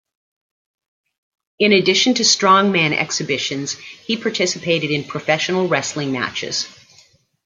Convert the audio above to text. In addition to strongman exhibitions, he participated in professional wrestling matches.